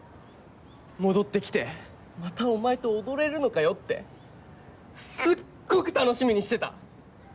戻ってきてまたお前と踊れるのかよってすっごく楽しみにしてた。